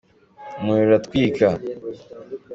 umuriro uratwika.